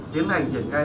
tiến hành triển khai